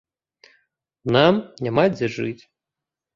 Нам няма дзе жыць.